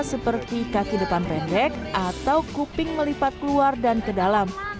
seperti kaki depan pendek atau kuping melipat keluar dan ke dalam